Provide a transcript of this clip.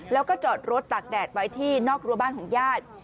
แล้วก็จอดรถตากแดดไว้ที่นอกรัวบ้านของญาติ